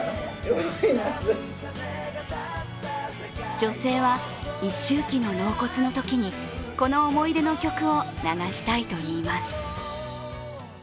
女性は一周忌の納骨のときにこの思い出の曲を流したいといいます。